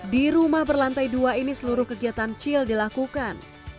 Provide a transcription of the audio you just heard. di rumah berlantai dua ini seluruh kegiatan chill dilakukan